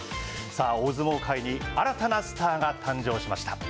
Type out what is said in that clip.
さあ、大相撲界に新たなスターが誕生しました。